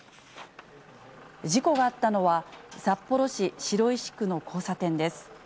事故があったのは、札幌市白石区の交差点です。